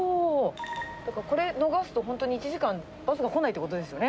だから、これ逃すと、本当に１時間、バスが来ないということですよね。